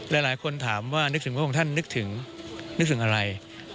หลายคนถามว่านึกถึงพระองค์ท่านนึกถึงนึกถึงอะไร